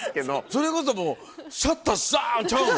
それこそもうシャッターサ！ちゃうの？